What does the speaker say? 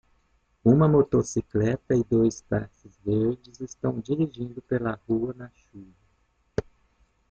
Uma motocicleta e dois táxis verdes estão dirigindo pela rua na chuva.